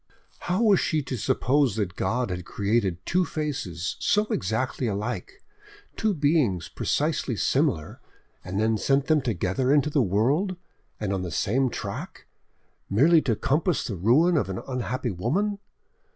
How was she to suppose that God had created two faces so exactly alike, two beings precisely similar, and then sent them together into the world, and on the same track, merely to compass the ruin of an unhappy woman!